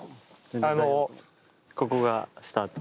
ここがスタート。